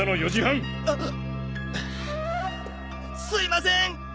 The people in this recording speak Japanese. すいません！